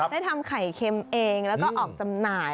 ได้ทำไข่เค็มเองแล้วก็ออกจำหน่าย